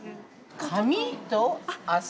◆紙と麻？